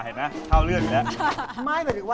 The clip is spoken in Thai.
เห็นมั้ยเท่าเรื่องอยู่แล้ว